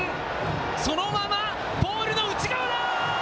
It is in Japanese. そのままポールの内側だ！